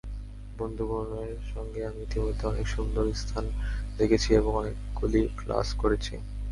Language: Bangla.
বন্ধুগণের সঙ্গে আমি ইতোমধ্যে অনেক সুন্দর স্থান দেখেছি এবং অনেকগুলি ক্লাস করেছি।